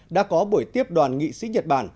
đã có buổi tiếp đoàn nghị sĩ nhật bản